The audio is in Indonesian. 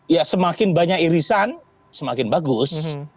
ya semakin banyak irisan semakin bagus